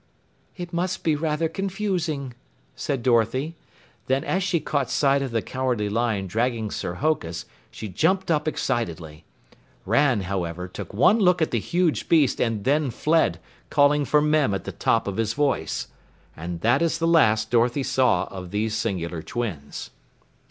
"It must be rather confusing," said Dorothy. Then as she caught sight of the Cowardly Lion dragging Sir Hokus, she jumped up excitedly. Ran, however, took one look at the huge beast and then fled, calling for Mem at the top of his voice. And that is the last Dorothy saw of these singular twins.